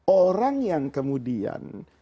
orang yang kemudian